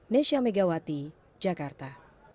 nesya megawati jakarta